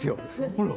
ほら。